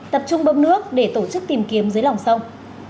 tập trung bơm nước để tổ chức tìm kiếm dưới lòng sông